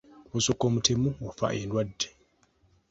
Bw’osukka omutemu ofa endwadde!